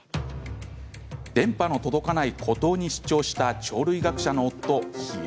電波の届かない孤島に出張した鳥類学者の夫・日和。